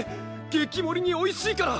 激盛りにおいしいから！